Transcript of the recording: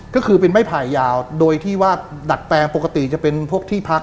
ก็คือเป็นไม้ไผ่ยาวโดยที่ว่าดัดแปลงปกติจะเป็นพวกที่พัก